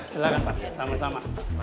silahkan pak sama sama